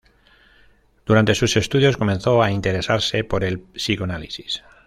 Durante sus estudios comenzó a interesarse por el psicoanálisis.